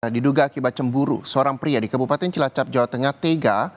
diduga akibat cemburu seorang pria di kabupaten cilacap jawa tengah tega